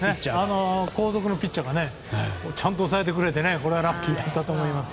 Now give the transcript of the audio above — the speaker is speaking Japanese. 後続のピッチャーがちゃんと抑えてくれてこれはラッキーだったと思います。